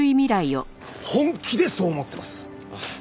本気でそう思ってます。